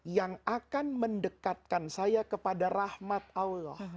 yang akan mendekatkan saya kepada rahmat allah